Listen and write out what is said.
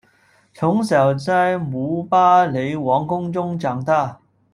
从小在姆巴雷皇宫中长大。